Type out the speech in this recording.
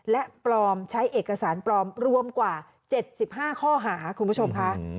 และปลอมใช้เอกสารปลอมรวมกว่า๗๕ข้อหาคุณผู้ชมค่ะ